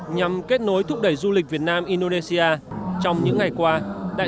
nhưng chúng ta sẽ tiếp tục giúp đỡ những quan hệ